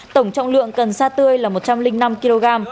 tổng trọng lượng cần sa tươi là một trăm linh năm kg